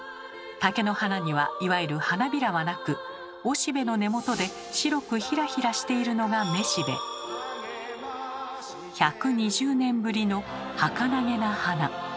竹の花にはいわゆる花びらはなくおしべの根本で白くひらひらしているのが１２０年ぶりのはかなげな花。